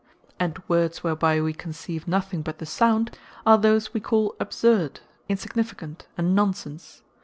And words whereby we conceive nothing but the sound, are those we call Absurd, insignificant, and Non sense.